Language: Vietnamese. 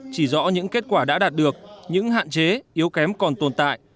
chỉ rõ những kết quả đã đạt được những hạn chế yếu kém còn tồn tại